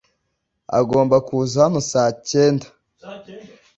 Agomba kuza hano saa cyenda. m